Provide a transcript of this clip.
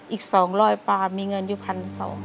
อีก๒๐๐ปลามีเงินอยู่๑๒๐๐บาท